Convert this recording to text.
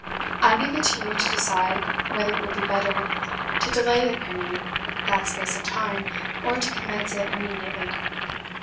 I leave it to you to decide whether it would be better to delay the printing that space of time, or to commence it immediately.